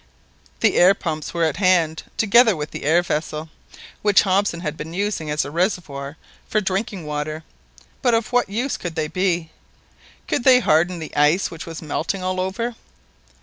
The air pumps were at hand, together with the air vessel, which Hobson had been using as a reservoir for drinking water, but of what use could they be? Could they harden the ice, which was melting all over?